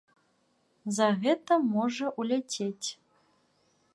За гэта можа ўляцець.